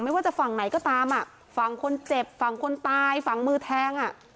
ไม่ว่าจะฝั่งไหนก็ตามอ่ะฝั่งคนเจ็บฝั่งคนตายฝั่งมือแทงอ่ะ